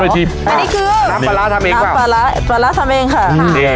อันนี้คือน้ำปลาร้าทำเองน้ำปลาร้าปลาร้าทำเองค่ะ